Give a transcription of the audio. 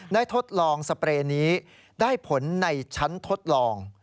ทดลองสเปรย์นี้ได้ผลในชั้นทดลอง